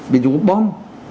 ví dụ bom